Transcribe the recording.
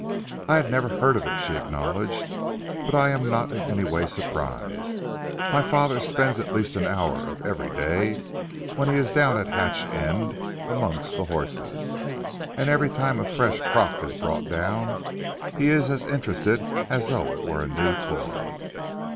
"I had never heard of it," she acknowledged, "but I am not in anyway surprised. My father spends at least an hour of every day, when he is down at Hatch End, amongst the horses, and every time a fresh crock is brought down, he is as interested as though it were a new toy."